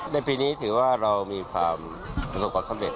ในปีนี้ถือว่าเรามีความประสบความสำเร็